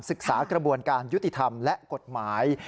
กระบวนการยุติธรรมและกฎหมาย